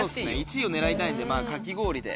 １位を狙いたいんでまぁかき氷で。